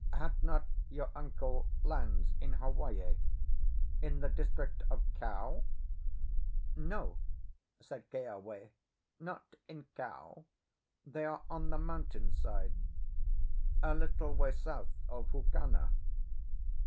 "Had not your uncle lands in Hawaii, in the district of Kau?" "No," said Keawe, "not in Kau; they are on the mountain side—a little way south of Hookena."